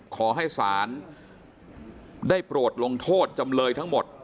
ขอให้ศาลได้โปรดลงโทษจำเลยทั้งหมด